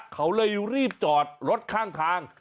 เขาเลยรีบจอดรถข้างทาง